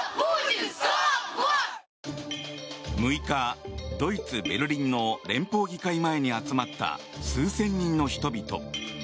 ６日、ドイツ・ベルリンの連邦議会前に集まった数千人の人々。